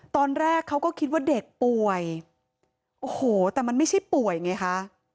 ตอนแรกเขาก็คิดว่าเด็กป่วยโอ้โหแต่มันไม่ใช่ป่วยไงคะ